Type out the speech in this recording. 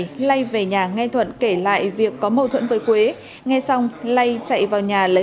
này lay về nhà nghe thuận kể lại việc có mâu thuẫn với quế nghe xong lay chạy vào nhà lấy